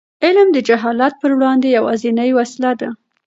علم د جهالت پر وړاندې یوازینۍ وسله ده.